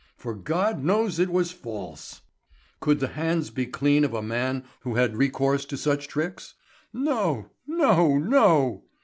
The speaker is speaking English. For God knows it was false. Could the hands be clean of a man who had recourse to such tricks? No, no, no!